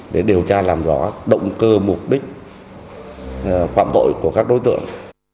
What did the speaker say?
để điều tra làm rõ động cơ mục đích phạm tội của các đối tượng